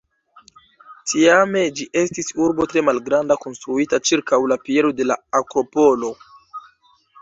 Tiame ĝi estis urbo tre malgranda konstruita ĉirkaŭ la piedo de la Akropolo.